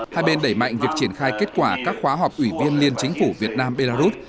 hai bên đẩy mạnh việc triển khai kết quả các khóa họp ủy viên liên chính phủ việt nam belarus